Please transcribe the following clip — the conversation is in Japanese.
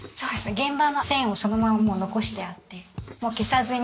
現場の線をそのままもう残してあってもう消さずに。